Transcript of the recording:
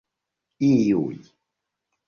iuj